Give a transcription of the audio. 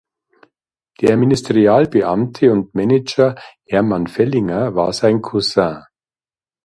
Der Ministerialbeamte und Manager Hermann Fellinger war sein Cousin.